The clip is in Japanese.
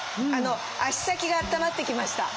足先があったまってきました。